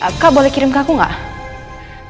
aka boleh kirim ke aku gak